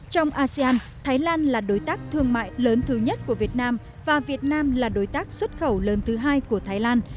trong asean thái lan là đối tác thương mại lớn thứ nhất của việt nam và việt nam là đối tác xuất khẩu lớn thứ hai của thái lan